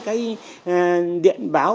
cái điện báo